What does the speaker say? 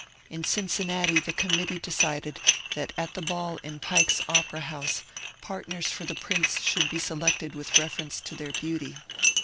In Cincinnati the committee decided that at the ball in Pike's Opera House partners for the prince should be selected with reference to their beauty.